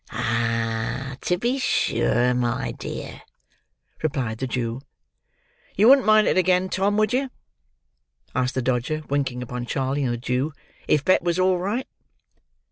"Ah, to be sure, my dear," replied the Jew. "You wouldn't mind it again, Tom, would you," asked the Dodger, winking upon Charley and the Jew, "if Bet was all right?"